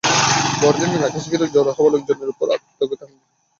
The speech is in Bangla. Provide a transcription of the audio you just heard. বড়দিনের অবকাশ ঘিরে জড়ো হওয়া লোকজনের ওপর তারা আত্মঘাতী হামলা চালাতে চেয়েছিল।